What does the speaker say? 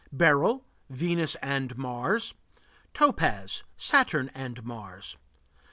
Beryl Venus and Mars. Topaz Saturn and Mars.